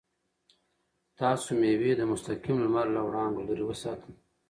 تاسو مېوې د مستقیم لمر له وړانګو لرې وساتئ.